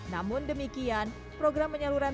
namun demikian program penyaluran